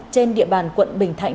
trên địa bàn quận bình thạnh